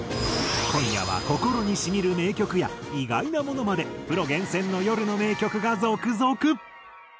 今夜は心に染みる名曲や意外なものまでプロ厳選の夜の名曲が続々。